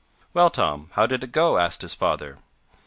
"Well, Tom, how did it go?" asked his father.